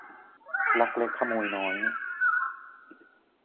ลักเล็กขโมยน้อย